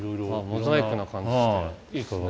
モザイクな感じしていいですね。